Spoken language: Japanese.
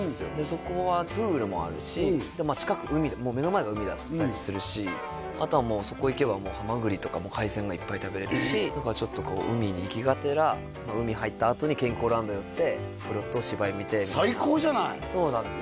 そこはプールもあるし近く目の前が海だったりするしあとはもうそこ行けばハマグリとか海鮮がいっぱい食べれるしだからちょっとこう海に行きがてら海入ったあとに健康ランド寄って風呂と芝居見てみたいな最高じゃないそうなんです